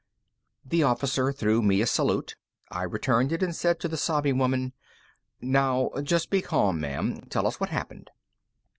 The officer threw me a salute. I returned it and said to the sobbing woman, "Now, just be calm, ma'am. Tell us what happened."